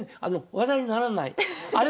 話題にならない？